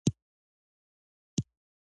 بوډا لويه ښېښه کش کړه.